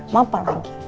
mau apa lagi